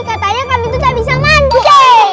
katanya kami tuh gak bisa mancing